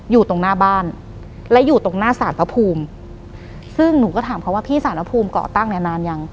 อยู่ตรงหน้าบ้านและอยู่ตรงหน้าศาลพระภูมิซึ่งหนูก็ถามเขาว่าพี่สารพระภูมิเกาะตั้งเนี่ยนานยัง